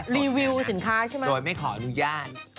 รีวิวสินค้าใช่ไหมโดยไม่ขออนุญาต